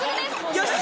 よし。